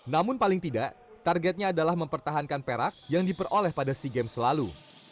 namun paling tidak targetnya adalah mempertahankan perak yang diperoleh pada sea games selalu